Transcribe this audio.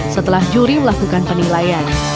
setelah juri melakukan penilaian